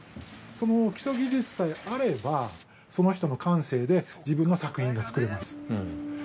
その基礎技術さえあればその人の感性で自分の作品が作れます。